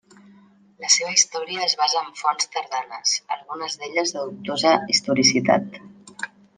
La seva història es basa en fonts tardanes, algunes d'elles de dubtosa historicitat.